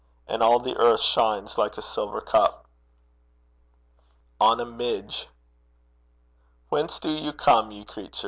And all the earth shines like a silver cup! ON A MIDGE. Whence do ye come, ye creature?